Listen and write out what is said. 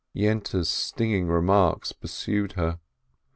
Yente's stinging remarks pursued her.